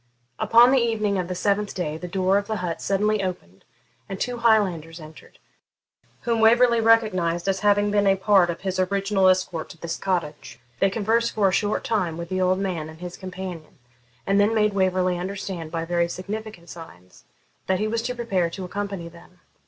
Upon the evening of the seventh day the door of the hut suddenly opened, and two Highlanders entered, whom Waverley recognised as having been a part of his original escort to this cottage. They conversed for a short time with the old man and his companion, and then made Waverley understand, by very significant signs, that he was to prepare to accompany them.